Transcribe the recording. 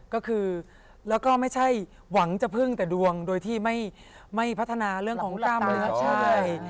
ก็คือแล้วก็ไม่ใช่หวังจะพึ่งแต่ดวงโดยที่ไม่พัฒนาเรื่องของกล้ามเนื้อใช่